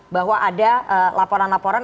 bahwa ada laporan laporan